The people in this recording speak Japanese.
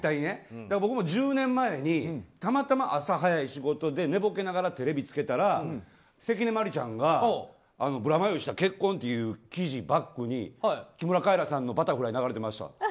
僕も１０年前にたまたま朝早い仕事で寝ぼけながらテレビつけたら関根麻里ちゃんがブラマヨの吉田、結婚っていう記事をバックに木村カエラさんの曲が流れてました。